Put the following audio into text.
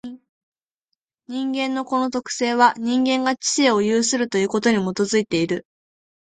人間のこの特性は、人間が知性を有するということに基いている。